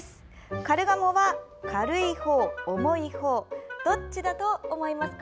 カルガモは、軽いほう重いほうどっちだと思いますか？